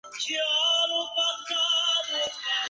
Sus letras tratan sobre emborracharse, tener fiestas y sexo.